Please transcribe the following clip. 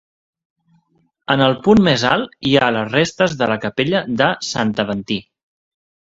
En el punt més alt hi ha les restes de la capella de Sant Aventí.